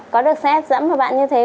có được xét giấm của bạn như thế không